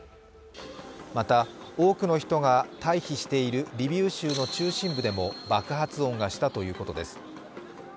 また多くの人が退避しているリビウ州の中心部でも爆発音がしたということです。